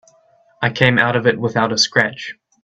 I came out of it without a scratch.